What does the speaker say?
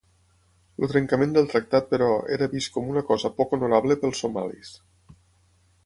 El trencament del tractat però, era vist com una cosa poc honorable pels somalis.